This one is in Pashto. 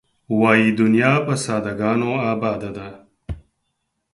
وایې دنیا په ساده ګانو آباده ده.